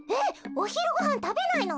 おひるごはんたべないの？